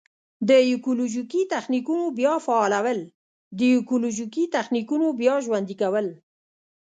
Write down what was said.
د ایکولوژیکي تخنیکونو بیا فعالول: د ایکولوژیکي تخنیکونو بیا ژوندي کول.